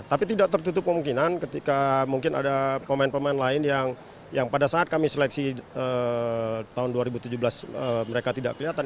tapi tidak tertutup kemungkinan ketika mungkin ada pemain pemain lain yang pada saat kami seleksi tahun dua ribu tujuh belas mereka tidak kelihatan